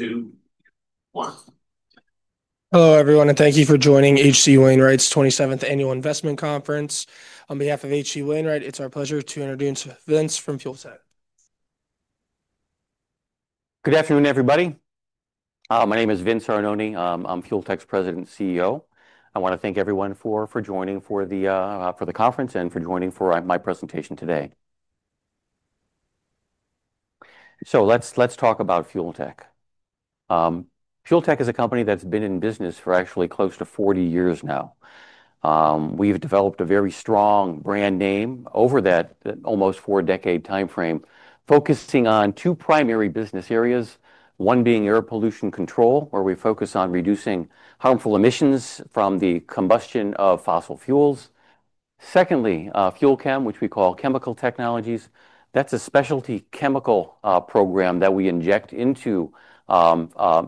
Hello, everyone, and thank you for joining H.C. Wainwright's 27th Annual Investment Conference. On behalf of H.C. Wainwright, it's our pleasure to introduce Vince from Fuel Tech. Good afternoon, everybody. My name is Vincent Arnone. I'm Fuel Tech's President and CEO. I want to thank everyone for joining for the conference and for joining for my presentation today. Let's talk about Fuel Tech. Fuel Tech is a company that's been in business for actually close to 40 years now. We've developed a very strong brand name over that almost four-decade time frame, focusing on two primary business areas, one being air pollution control, where we focus on reducing harmful emissions from the combustion of fossil fuels. Secondly, FUEL CHEM, which we call Chemical Technologies. That's a specialty chemical program that we inject into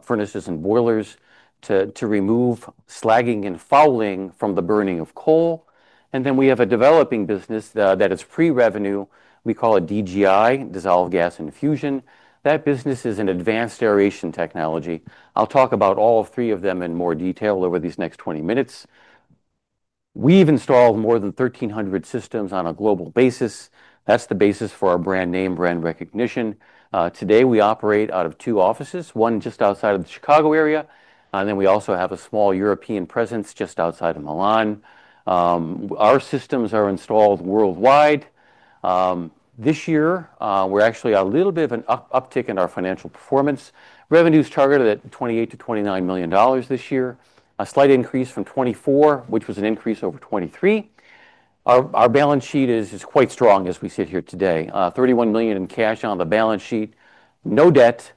furnaces and boilers to remove slagging and fouling from the burning of coal. We have a developing business that is pre-revenue. We call it DGI, Dissolved Gas Infusion. That business is an advanced aeration technology. I'll talk about all three of them in more detail over these next 20 minutes. We've installed more than 1,300 systems on a global basis. That's the basis for our brand name recognition. Today, we operate out of two offices, one just outside of the Chicago area, and we also have a small European presence just outside of Milan. Our systems are installed worldwide. This year, we're actually at a little bit of an uptick in our financial performance. Revenue is targeted at $28 to $29 million this year, a slight increase from 2024, which was an increase over 2023. Our balance sheet is quite strong as we sit here today, $31 million in cash on the balance sheet, no debt.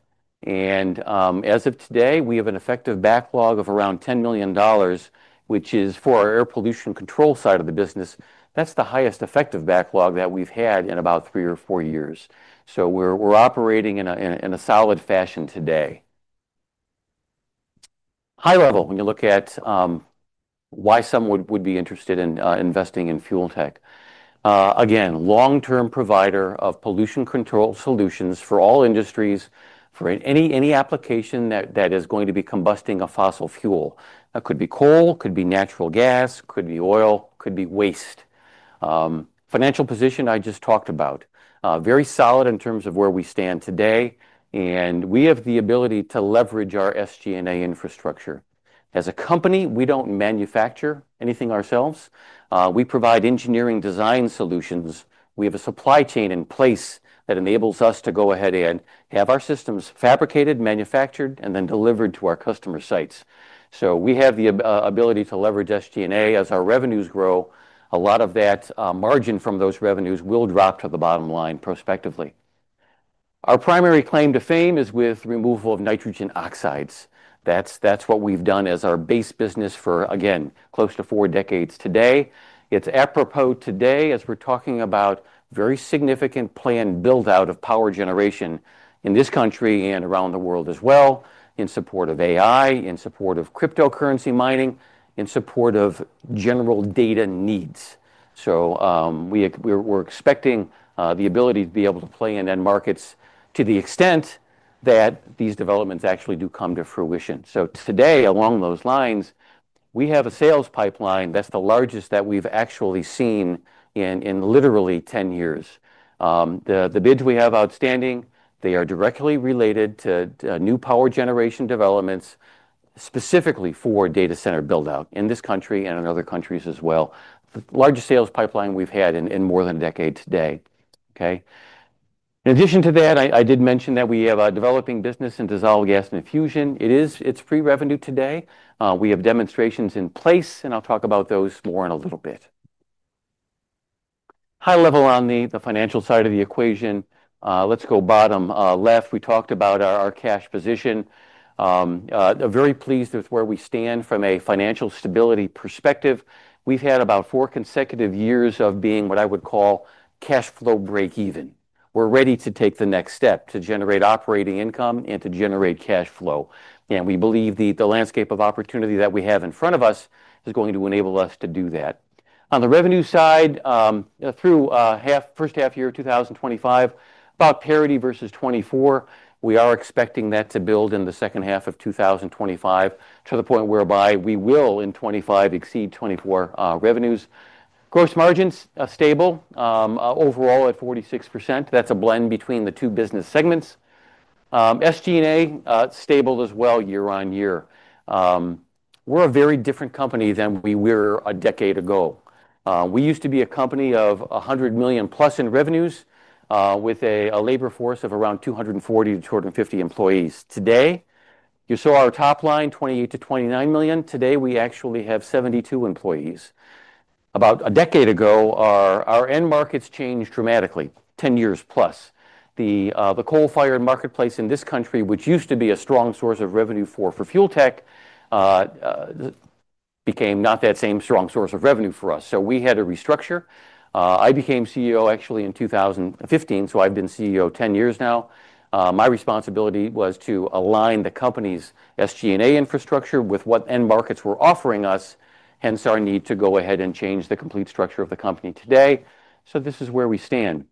As of today, we have an effective backlog of around $10 million, which is for our air pollution control side of the business. That's the highest effective backlog that we've had in about three or four years. We're operating in a solid fashion today. High level, when you look at why some would be interested in investing in Fuel Tech. Again, long-term provider of pollution control solutions for all industries, for any application that is going to be combusting a fossil fuel. That could be coal, could be natural gas, could be oil, could be waste. Financial position I just talked about, very solid in terms of where we stand today. We have the ability to leverage our SG&A infrastructure. As a company, we don't manufacture anything ourselves. We provide engineering design solutions. We have a supply chain in place that enables us to go ahead and have our systems fabricated, manufactured, and then delivered to our customer sites. We have the ability to leverage SG&A. As our revenues grow, a lot of that margin from those revenues will drop to the bottom line prospectively. Our primary claim to fame is with removal of nitrogen oxides. That's what we've done as our base business for, again, close to four decades today. It's apropos today as we're talking about a very significant planned build-out of power generation in this country and around the world as well, in support of AI, in support of cryptocurrency mining, in support of general data needs. We're expecting the ability to be able to play in end markets to the extent that these developments actually do come to fruition. Today, along those lines, we have a sales pipeline that's the largest that we've actually seen in literally 10 years. The bids we have outstanding are directly related to new power generation developments, specifically for data center build-out in this country and in other countries as well. The largest sales pipeline we've had in more than a decade today. In addition to that, I did mention that we have a developing business in Dissolved Gas Infusion. It's pre-revenue today. We have demonstrations in place, and I'll talk about those more in a little bit. High level on the financial side of the equation. Let's go bottom left. We talked about our cash position. I'm very pleased with where we stand from a financial stability perspective. We've had about four consecutive years of being what I would call cash flow break-even. We're ready to take the next step to generate operating income and to generate cash flow. We believe the landscape of opportunity that we have in front of us is going to enable us to do that. On the revenue side, through the first half year of 2025, about parity versus 2024, we are expecting that to build in the second half of 2025 to the point whereby we will, in 2025, exceed 2024 revenues. Gross margins are stable overall at 46%. That's a blend between the two business segments. SG&A stable as well year on year. We're a very different company than we were a decade ago. We used to be a company of $100 million plus in revenues, with a labor force of around 240 to 250 employees. Today, you saw our top line, $28 to $29 million. Today, we actually have 72 employees. About a decade ago, our end markets changed dramatically, 10 years plus. The coal-fired marketplace in this country, which used to be a strong source of revenue for Fuel Tech, became not that same strong source of revenue for us. We had to restructure. I became CEO actually in 2015. I've been CEO 10 years now. My responsibility was to align the company's SG&A infrastructure with what end markets were offering us, hence our need to go ahead and change the complete structure of the company today. This is where we stand.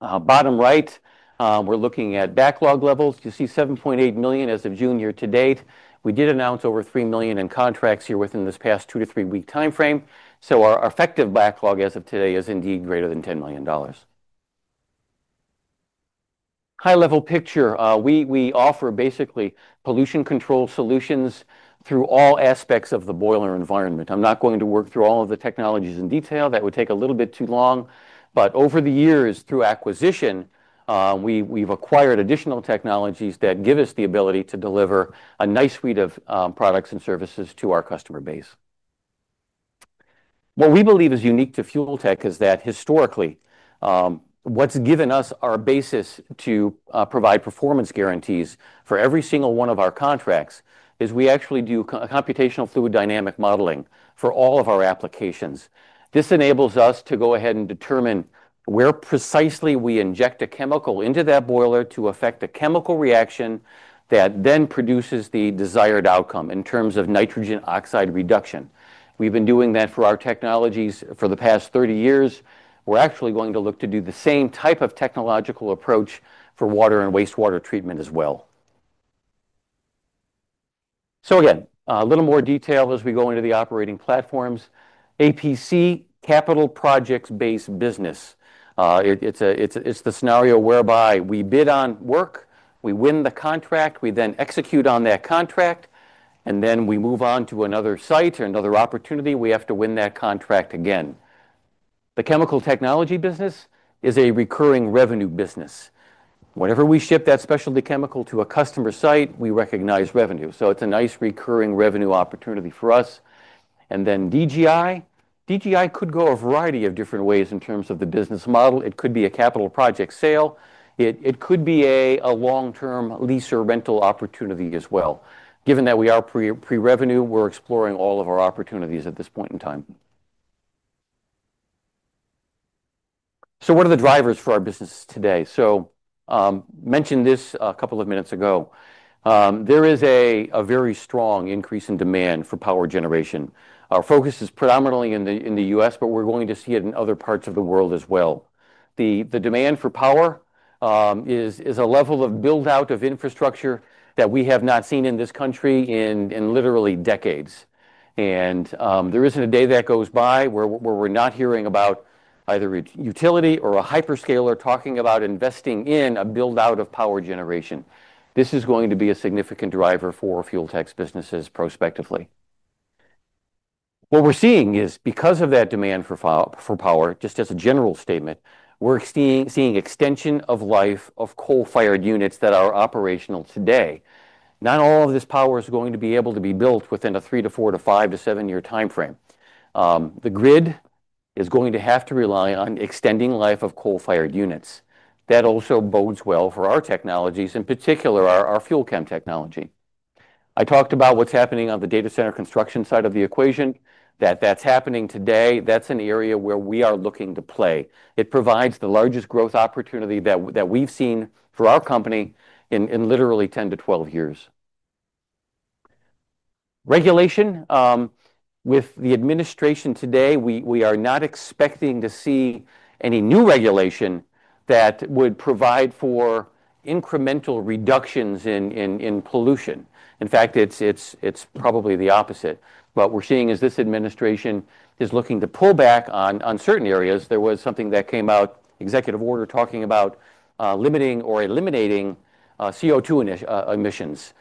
Bottom right, we're looking at backlog levels. You see $7.8 million as of June year to date. We did announce over $3 million in contracts here within this past two to three-week time frame. Our effective backlog as of today is indeed greater than $10 million. High-level picture, we offer basically pollution control solutions through all aspects of the boiler environment. I'm not going to work through all of the technologies in detail. That would take a little bit too long. Over the years, through acquisition, we've acquired additional technologies that give us the ability to deliver a nice suite of products and services to our customer base. What we believe is unique to Fuel Tech is that historically, what's given us our basis to provide performance guarantees for every single one of our contracts is we actually do computational fluid dynamic modeling for all of our applications. This enables us to go ahead and determine where precisely we inject a chemical into that boiler to affect a chemical reaction that then produces the desired outcome in terms of nitrogen oxide reduction. We've been doing that for our technologies for the past 30 years. We're actually going to look to do the same type of technological approach for water and wastewater treatment as well. A little more detail as we go into the operating platforms. APC, capital project-based business. It's the scenario whereby we bid on work, we win the contract, we then execute on that contract, and then we move on to another site or another opportunity. We have to win that contract again. The chemical technology business is a recurring revenue business. Whenever we ship that specialty chemical to a customer site, we recognize revenue. It's a nice recurring revenue opportunity for us. DGI, DGI could go a variety of different ways in terms of the business model. It could be a capital project sale. It could be a long-term lease or rental opportunity as well. Given that we are pre-revenue, we're exploring all of our opportunities at this point in time. What are the drivers for our business today? I mentioned this a couple of minutes ago. There is a very strong increase in demand for power generation. Our focus is predominantly in the U.S., but we're going to see it in other parts of the world as well. The demand for power is a level of build-out of infrastructure that we have not seen in this country in literally decades. There isn't a day that goes by where we're not hearing about either a utility or a hyperscaler talking about investing in a build-out of power generation. This is going to be a significant driver for Fuel Tech's businesses prospectively. What we're seeing is because of that demand for power, just as a general statement, we're seeing extension of life of coal-fired units that are operational today. Not all of this power is going to be able to be built within a three to four to five to seven-year time frame. The grid is going to have to rely on extending life of coal-fired units. That also bodes well for our technologies, in particular our FUEL CHEM technology. I talked about what's happening on the data center construction side of the equation, that that's happening today. That's an area where we are looking to play. It provides the largest growth opportunity that we've seen for our company in literally 10 to 12 years. Regulation, with the administration today, we are not expecting to see any new regulation that would provide for incremental reductions in pollution. In fact, it's probably the opposite. What we're seeing is this administration is looking to pull back on certain areas. There was something that came out, executive order talking about limiting or eliminating CO2 emissions.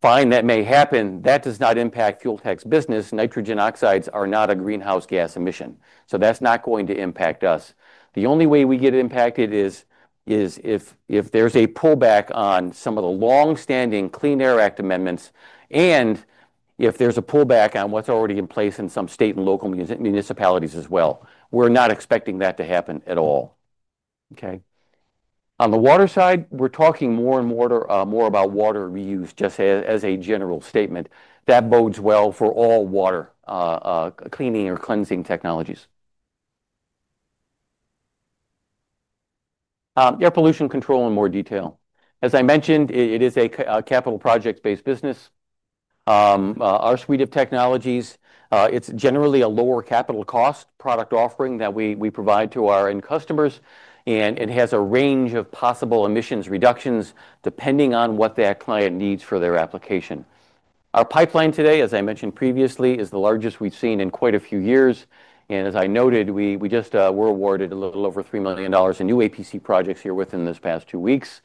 Fine that may happen, that does not impact Fuel Tech's business. Nitrogen oxides are not a greenhouse gas emission. That's not going to impact us. The only way we get impacted is if there's a pullback on some of the longstanding Clean Air Act amendments and if there's a pullback on what's already in place in some state and local municipalities as well. We're not expecting that to happen at all. On the water side, we're talking more and more about water reuse just as a general statement. That bodes well for all water cleaning or cleansing technologies. Air pollution control in more detail. As I mentioned, it is a capital project-based business. Our suite of technologies is generally a lower capital cost product offering that we provide to our end customers, and it has a range of possible emissions reductions depending on what that client needs for their application. Our pipeline today, as I mentioned previously, is the largest we've seen in quite a few years. As I noted, we just were awarded a little over $3 million in new APC projects here within this past two weeks.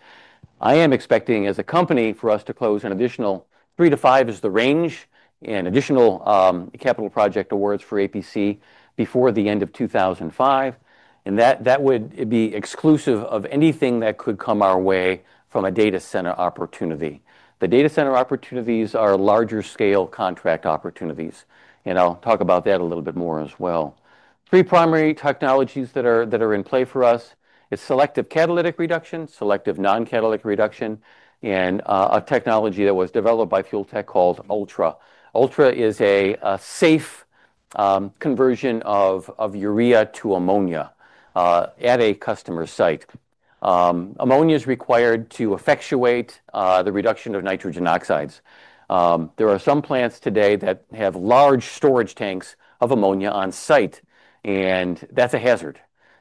I am expecting as a company for us to close an additional three to five is the range in additional capital project awards for APC before the end of 2025. That would be exclusive of anything that could come our way from a data center opportunity. The data center opportunities are larger scale contract opportunities. I'll talk about that a little bit more as well. Three primary technologies that are in play for us are Selective Catalytic Reduction, Selective Non-Catalytic Reduction, and a technology that was developed by Fuel Tech called ULTRA. ULTRA is a safe conversion of urea to ammonia at a customer site. Ammonia is required to effectuate the reduction of nitrogen oxides. There are some plants today that have large storage tanks of ammonia on site, and that's a hazard.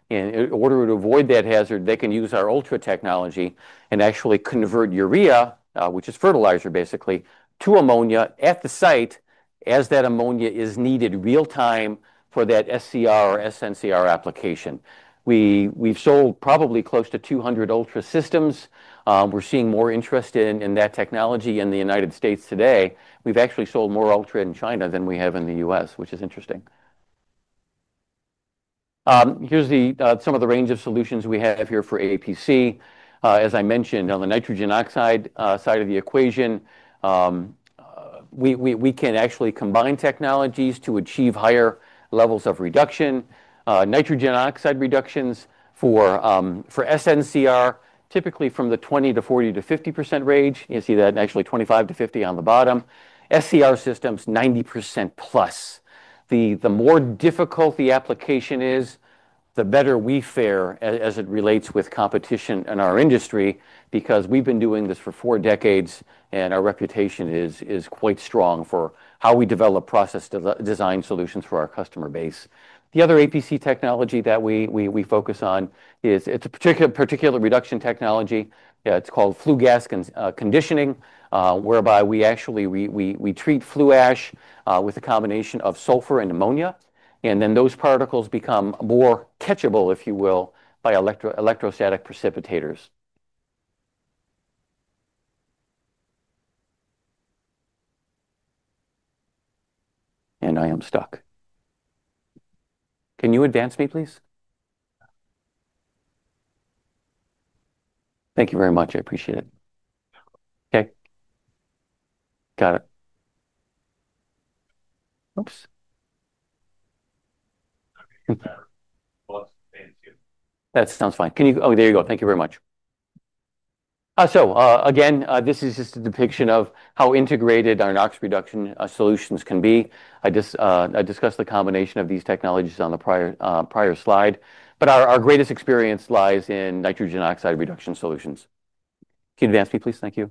In order to avoid that hazard, they can use our ULTRA technology and actually convert urea, which is fertilizer basically, to ammonia at the site as that ammonia is needed real time for that SCR or SNCR application. We've sold probably close to 200 ULTRA systems. We're seeing more interest in that technology in the United States today. We've actually sold more ULTRA in China than we have in the U.S., which is interesting. Here are some of the range of solutions we have here for APC. As I mentioned, on the nitrogen oxide side of the equation, we can actually combine technologies to achieve higher levels of reduction. Nitrogen oxide reductions for SNCR are typically from the 20% to 40% to 50% range. You see that in actually 25% to 50% on the bottom. SCR systems 90% plus. The more difficult the application is, the better we fare as it relates with competition in our industry because we've been doing this for four decades and our reputation is quite strong for how we develop process design solutions for our customer base. The other APC technology that we focus on is it's a particular reduction technology. It's called flue gas conditioning, whereby we actually treat flue ash with a combination of sulfur and ammonia, and then those particles become more catchable, if you will, by electrostatic precipitators. I am stuck. Can you advance me, please? Thank you very much. I appreciate it. OK. Got it. Oops. That sounds fine. Oh, there you go. Thank you very much. This is just a depiction of how integrated our NOx reduction solutions can be. I discussed the combination of these technologies on the prior slide, but our greatest experience lies in nitrogen oxide reduction solutions. Can you advance me, please? Thank you.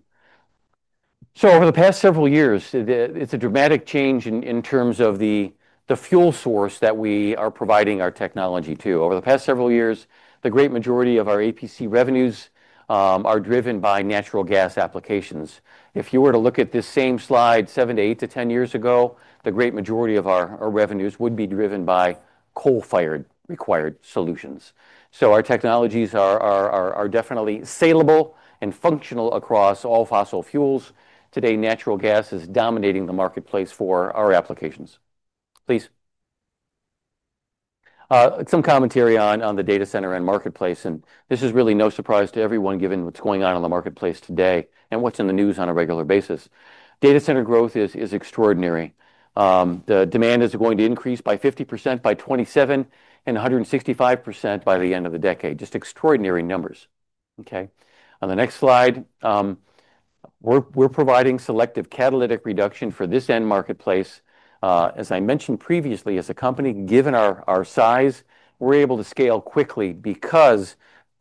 Over the past several years, it's a dramatic change in terms of the fuel source that we are providing our technology to. Over the past several years, the great majority of our APC revenues are driven by natural gas applications. If you were to look at this same slide seven to eight to 10 years ago, the great majority of our revenues would be driven by coal-fired required solutions. Our technologies are definitely saleable and functional across all fossil fuels. Today, natural gas is dominating the marketplace for our applications. Please. Some commentary on the data center and marketplace. This is really no surprise to everyone given what's going on in the marketplace today and what's in the news on a regular basis. Data center growth is extraordinary. The demand is going to increase by 50% by 2027 and 165% by the end of the decade. Just extraordinary numbers. OK. On the next slide, we're providing selective catalytic reduction for this end marketplace. As I mentioned previously, as a company, given our size, we're able to scale quickly because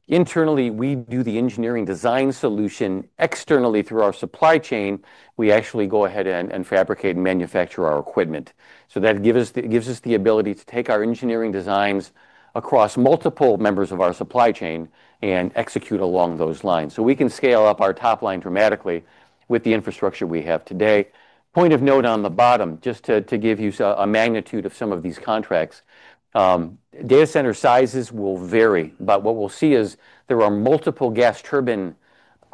internally we do the engineering design solution externally through our supply chain. We actually go ahead and fabricate and manufacture our equipment. That gives us the ability to take our engineering designs across multiple members of our supply chain and execute along those lines. We can scale up our top line dramatically with the infrastructure we have today. Point of note on the bottom, just to give you a magnitude of some of these contracts, data center sizes will vary. What we'll see is there are multiple gas turbines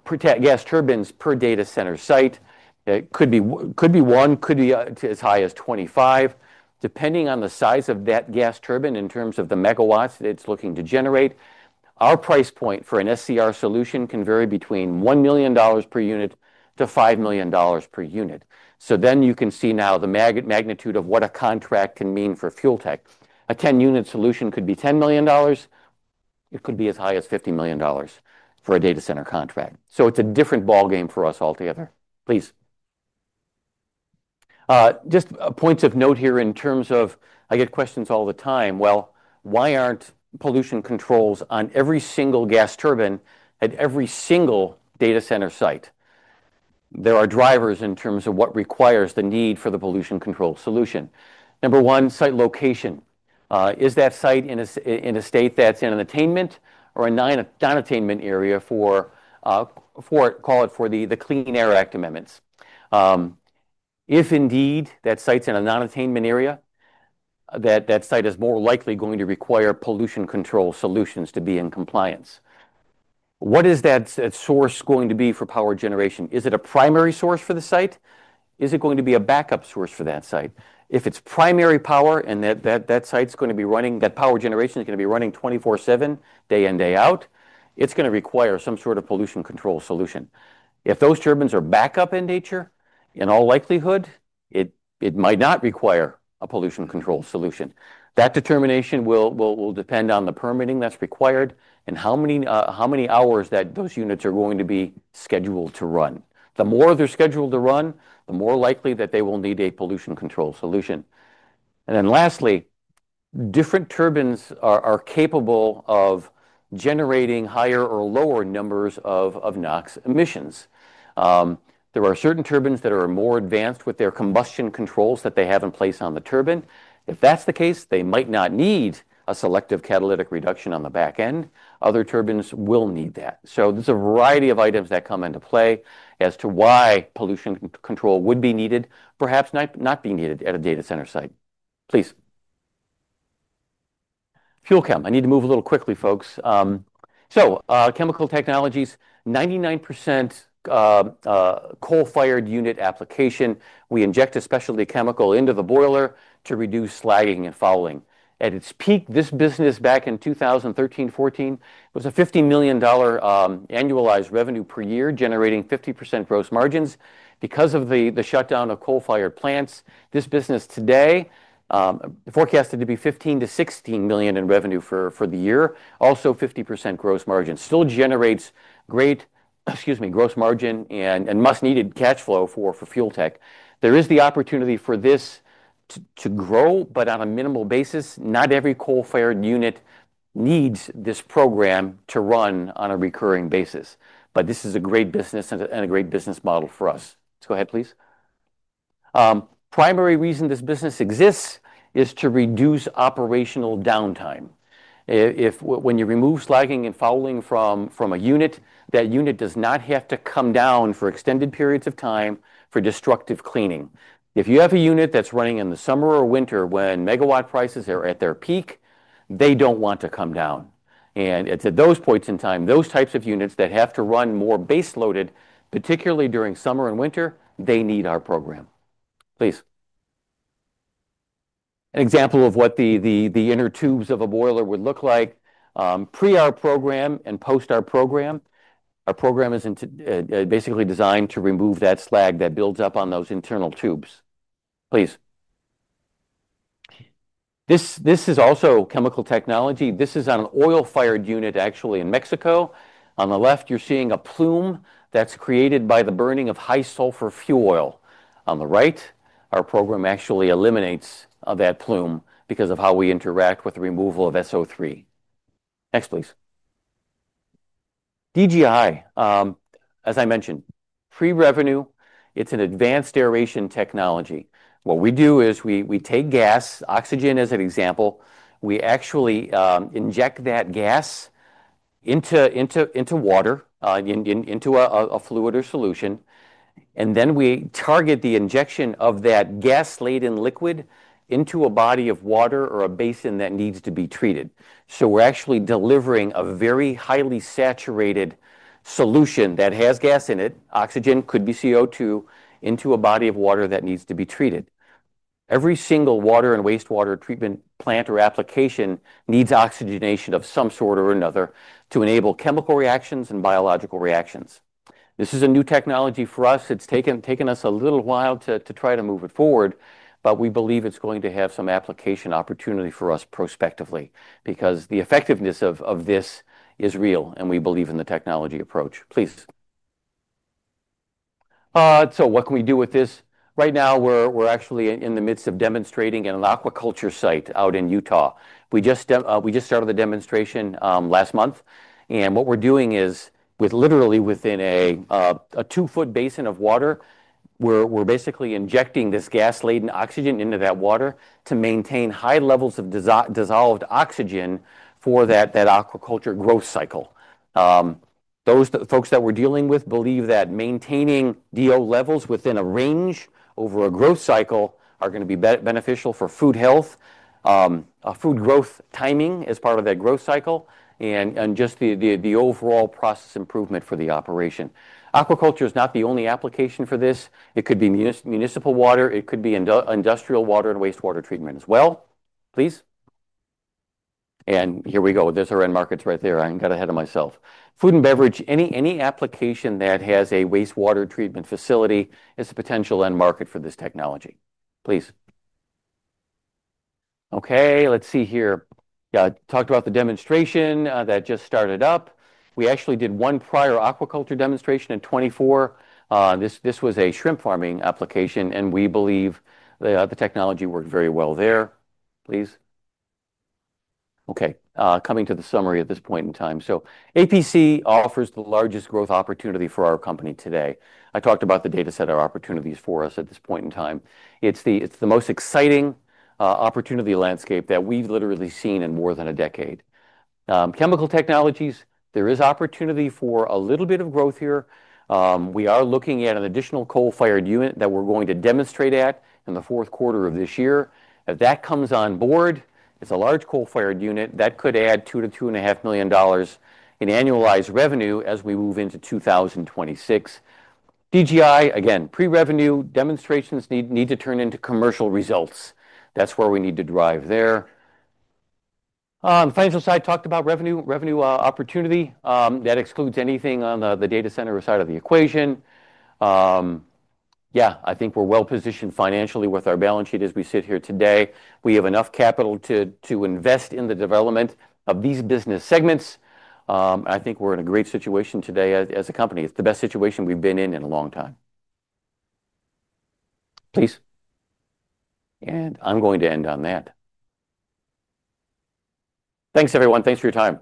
per data center site. It could be one, could be as high as 25, depending on the size of that gas turbine in terms of the megawatts that it's looking to generate. Our price point for an SCR solution can vary between $1 million per unit to $5 million per unit. You can see now the magnitude of what a contract can mean for Fuel Tech. A 10-unit solution could be $10 million. It could be as high as $50 million for a data center contract. It's a different ballgame for us altogether. Please. Just points of note here in terms of I get questions all the time. Why aren't pollution controls on every single gas turbine at every single data center site? There are drivers in terms of what requires the need for the pollution control solution. Number one, site location. Is that site in a state that's in an attainment or a non-attainment area for, call it, for the Clean Air Act amendments? If indeed that site's in a non-attainment area, that site is more likely going to require pollution control solutions to be in compliance. What is that source going to be for power generation? Is it a primary source for the site? Is it going to be a backup source for that site? If it's primary power and that site's going to be running, that power generation is going to be running 24/7, day in, day out, it's going to require some sort of pollution control solution. If those turbines are backup in nature, in all likelihood, it might not require a pollution control solution. That determination will depend on the permitting that's required and how many hours those units are going to be scheduled to run. The more they're scheduled to run, the more likely that they will need a pollution control solution. Lastly, different turbines are capable of generating higher or lower numbers of NOx emissions. There are certain turbines that are more advanced with their combustion controls that they have in place on the turbine. If that's the case, they might not need a selective catalytic reduction on the back end. Other turbines will need that. There's a variety of items that come into play as to why pollution control would be needed, perhaps not be needed at a data center site. Please. FUEL CHEM, I need to move a little quickly, folks. Chemical technologies, 99% coal-fired unit application. We inject a specialty chemical into the boiler to reduce slagging and fouling. At its peak, this business back in 2013, 2014, it was a $50 million annualized revenue per year, generating 50% gross margins. Because of the shutdown of coal-fired plants, this business today is forecasted to be $15 to $16 million in revenue for the year, also 50% gross margin. Still generates great, excuse me, gross margin and much-needed cash flow for Fuel Tech. There is the opportunity for this to grow, but on a minimal basis. Not every coal-fired unit needs this program to run on a recurring basis. This is a great business and a great business model for us. Let's go ahead, please. The primary reason this business exists is to reduce operational downtime. When you remove slagging and fouling from a unit, that unit does not have to come down for extended periods of time for destructive cleaning. If you have a unit that's running in the summer or winter when megawatt prices are at their peak, they don't want to come down. It's at those points in time, those types of units that have to run more base loaded, particularly during summer and winter, they need our program. Please. An example of what the inner tubes of a boiler would look like, pre our program and post our program. Our program is basically designed to remove that slag that builds up on those internal tubes. Please. This is also chemical technology. This is on an oil-fired unit actually in Mexico. On the left, you're seeing a plume that's created by the burning of high sulfur fuel oil. On the right, our program actually eliminates that plume because of how we interact with the removal of SO3. Next, please. DGI, as I mentioned, pre-revenue, it's an advanced aeration technology. What we do is we take gas, oxygen as an example. We actually inject that gas into water, into a fluid or solution, and then we target the injection of that gas-laden liquid into a body of water or a basin that needs to be treated. We're actually delivering a very highly saturated solution that has gas in it, oxygen, could be CO2, into a body of water that needs to be treated. Every single water and wastewater treatment plant or application needs oxygenation of some sort or another to enable chemical reactions and biological reactions. This is a new technology for us. It's taken us a little while to try to move it forward, but we believe it's going to have some application opportunity for us prospectively because the effectiveness of this is real, and we believe in the technology approach. Please. What can we do with this? Right now, we're actually in the midst of demonstrating at an aquaculture site out in Utah. We just started the demonstration last month. What we're doing is literally within a two-foot basin of water, we're basically injecting this gas-laden oxygen into that water to maintain high levels of dissolved oxygen for that aquaculture growth cycle. Those folks that we're dealing with believe that maintaining DO levels within a range over a growth cycle are going to be beneficial for food health, food growth timing as part of that growth cycle, and just the overall process improvement for the operation. Aquaculture is not the only application for this. It could be municipal water. It could be industrial water and wastewater treatment as well. Please. Here we go. Those are end markets right there. I got ahead of myself. Food and beverage, any application that has a wastewater treatment facility is a potential end market for this technology. Please. OK, let's see here. I talked about the demonstration that just started up. We actually did one prior aquaculture demonstration in 2024. This was a shrimp farming application, and we believe the technology worked very well there. Please. OK, coming to the summary at this point in time. APC offers the largest growth opportunity for our company today. I talked about the data set of opportunities for us at this point in time. It's the most exciting opportunity landscape that we've literally seen in more than a decade. Chemical technologies, there is opportunity for a little bit of growth here. We are looking at an additional coal-fired unit that we're going to demonstrate at in the fourth quarter of this year. If that comes on board, it's a large coal-fired unit that could add $2 to $2.5 million in annualized revenue as we move into 2026. DGI, again, pre-revenue, demonstrations need to turn into commercial results. That's where we need to drive there. On the financial side, I talked about revenue, revenue opportunity. That excludes anything on the data center side of the equation. I think we're well positioned financially with our balance sheet as we sit here today. We have enough capital to invest in the development of these business segments. I think we're in a great situation today as a company. It's the best situation we've been in in a long time. Please. I'm going to end on that. Thanks, everyone. Thanks for your time.